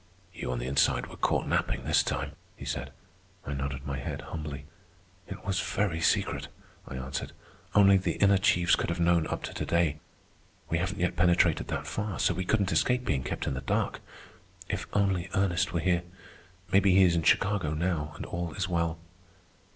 "You on the inside were caught napping this time," he said. I nodded my head humbly. "It was very secret," I answered. "Only the inner chiefs could have known up to to day. We haven't yet penetrated that far, so we couldn't escape being kept in the dark. If only Ernest were here. Maybe he is in Chicago now, and all is well."